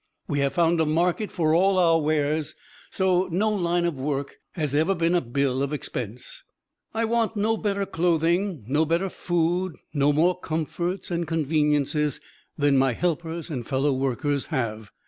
We have found a market for all our wares, so no line of work has ever been a bill of expense. I want no better clothing, no better food, no more comforts and conveniences than my helpers and fellow workers have.